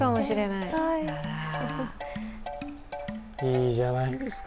いいじゃないですか。